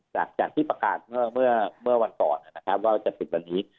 จากที่ประกาศเมื่อวันต่อว่าจะปิดวันนี้